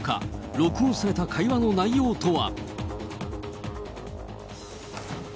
録音された会話の内容とは。